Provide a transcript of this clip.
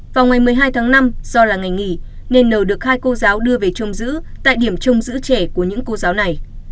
vào ngày một mươi hai tháng năm do là ngày nghỉ nên n được hai cô giáo đưa về trông giữ tại điểm trông giữ trẻ của những cô giáo này